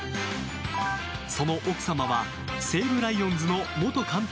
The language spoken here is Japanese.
その奥様は西武ライオンズの元監督